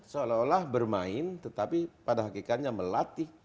seolah olah bermain tetapi pada hakikatnya melatih